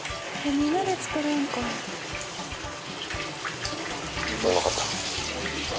みんなで作るんか。